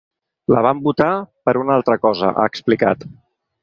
La vam votar per una altra cosa, ha explicat.